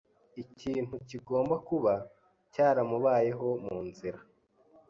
Ikintu kigomba kuba cyaramubayeho munzira.